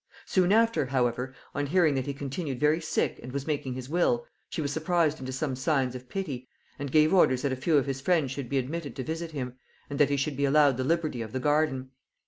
Soon after, however, on hearing that he continued very sick and was making his will, she was surprised into some signs of pity, and gave orders that a few of his friends should be admitted to visit him, and that he should be allowed the liberty of the garden.